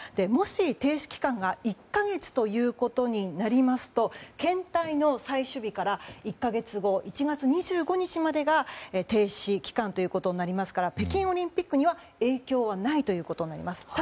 もし、停止期間が１か月ということになりますと検体の採取から１か月後１月２５日までが停止期間ということになりますから北京オリンピックには影響はないということになります。